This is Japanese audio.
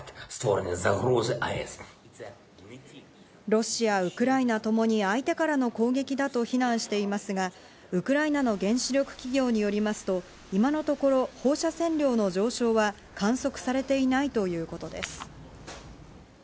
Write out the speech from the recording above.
ロシア、ウクライナともに相手からの攻撃だと非難していますが、ウクライナの原子力企業によりますと、今のところ放射線量の上昇は観測されていないということです。